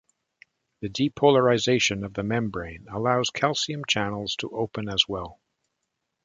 The depolarization of the membrane allows calcium channels to open as well.